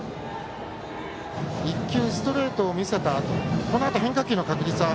１球、ストレートを見せたあとこのあと変化球の確率は。